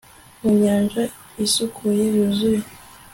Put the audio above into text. Mu nyanja isukuye yuzuye